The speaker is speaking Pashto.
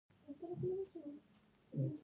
سویلي کانال په غره کې کښل شوی کانال و.